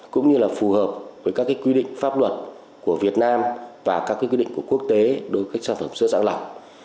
cũng như phù hợp với các quy định pháp luật của việt nam và các quy định của quốc tế đối với các sản phẩm sữa dạng lỏng